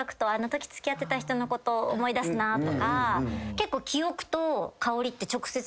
結構。